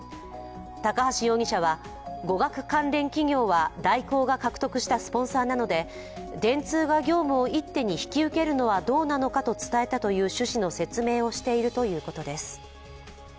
高橋容疑者は、語学関連企業は大広が獲得したスポンサーなので電通が業務を一手に引き受けるのはどうなのかと伝えたという趣旨の説明をしているということです。